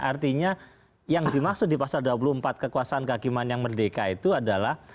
artinya yang dimaksud di pasal dua puluh empat kekuasaan kehakiman yang merdeka itu adalah